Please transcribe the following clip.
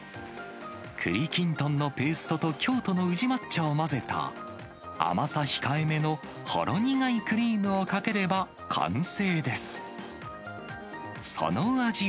くりきんとんのペーストと京都の宇治抹茶を混ぜた、甘さ控えめのほろ苦いクリームをかければ完成です。